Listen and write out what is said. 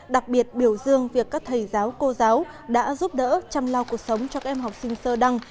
đặc biệt biểu dương việc các thầy giáo cô giáo đã giúp đỡ chăm lao cuộc sống cho các em học sinh sơ đăng